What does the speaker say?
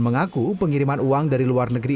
mengaku pengiriman uang dari luar negeri